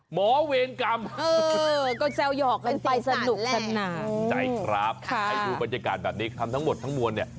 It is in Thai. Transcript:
หมอเวงกล่ำเออเออผู้ชมก็แจ้วหยอกกันไปสนุกสนานใจครับ